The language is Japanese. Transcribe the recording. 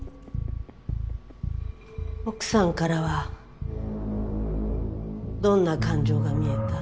奥さんからはどんな感情が見えた？